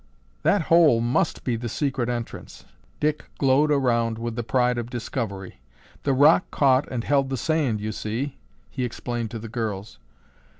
"That hole must be the secret entrance." Dick glowed around with the pride of discovery. "The rock caught and held the sand, you see," he explained to the girls.